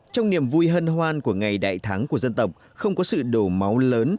trong niềm vui hân hoan của ngày đại thắng của dân tộc không có sự đổ máu lớn